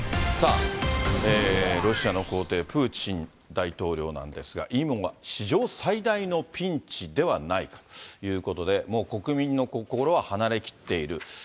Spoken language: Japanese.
ロシアの皇帝、プーチン大統領なんですが、今が史上最大のピンチではないかということで、もう国民の心は離れきっている。